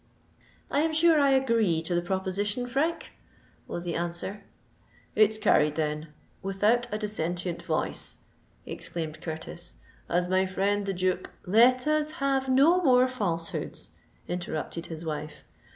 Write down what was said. "I am sure I agree to the proposition, Frank," was the answer. "It's carried then, without a dissentient voice," exclaimed Curtis; "as my friend the Duke——" "Let us have no more falsehoods," interrupted his wife.